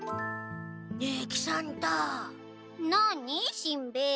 しんべヱ。